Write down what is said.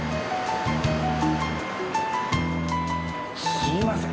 すいません。